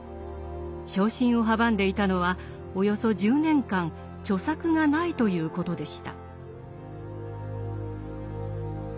昇進を阻んでいたのはおよそ１０年間著作がないということでした。